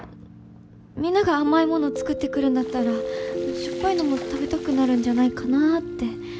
みんなが甘い物作ってくるんだったらしょっぱいのも食べたくなるんじゃないかなって。